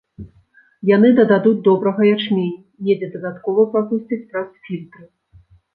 Яны дададуць добрага ячменю, недзе дадаткова прапусцяць праз фільтры.